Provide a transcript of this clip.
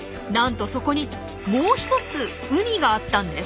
そこにもう一つ海があったんです。